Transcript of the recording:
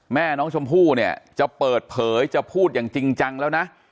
แม่น้องชมพู่เนี่ยจะเปิดเผยจะพูดอย่างจริงจังแล้วนะ